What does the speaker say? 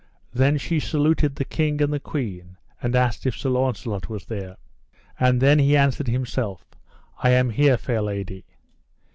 Then she saluted the king and the queen, and asked if that Sir Launcelot was there. And then he answered himself: I am here, fair lady.